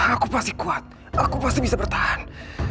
aku pasti kuat aku pasti bisa bertahan